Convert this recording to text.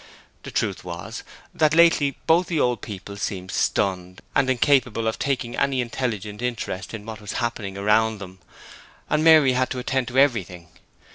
The truth was, that lately both the old people seemed stunned, and incapable of taking an intelligent interest in what was happening around them, and Mary had to attend to everything.